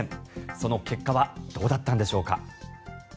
その結果はどうだったんでしょうか。